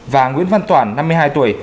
và nguyễn văn toàn năm mươi hai tuổi